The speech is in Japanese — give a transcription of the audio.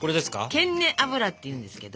ケンネ脂っていうんですけど。